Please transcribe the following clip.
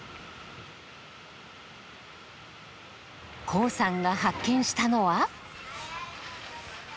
コウさんが発見したのは。